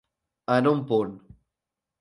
En un punt.